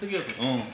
うん。